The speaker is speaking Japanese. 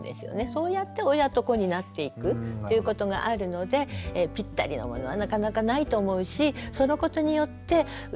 そうやって親と子になっていくっていうことがあるのでピッタリのものはなかなかないと思うしそのことによってテレビとかね